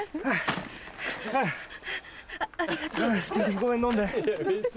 ごめん飲んで。